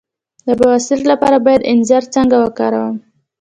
د بواسیر لپاره باید انځر څنګه وکاروم؟